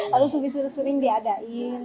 harus lebih sering sering diadain